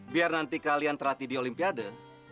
biar nanti kalian terhati di olimpiade